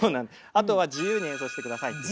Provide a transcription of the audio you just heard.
あとは自由に演奏してくださいっていう。